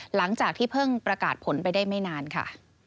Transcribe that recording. หลังจากที่เพิ่งประกาศผลไปได้ไม่นานค่ะ